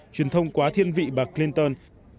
truyền thông quá thiên vị bà clinton